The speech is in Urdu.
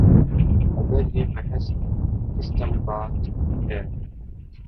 اگر یہ محض استنباط ہے۔